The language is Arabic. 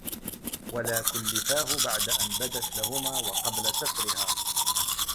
وَلَا كُلِّفَاهُ بَعْدَ أَنْ بَدَتْ لَهُمَا وَقَبْلَ سَتْرِهَا